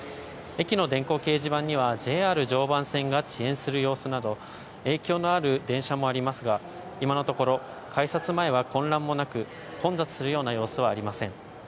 駅の電光掲示板にはＪＲ常磐線が遅延する様子など影響のある電車もありますが、今のところ改札前は混乱もなく混雑するような様子もありません。